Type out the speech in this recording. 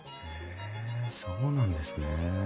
へえそうなんですね。